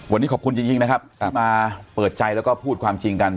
วันนี้ขอบคุณจริงนะครับที่มาเปิดใจแล้วก็พูดความจริงกัน